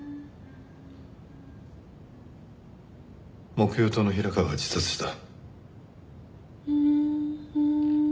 木曜島の平川が自殺した。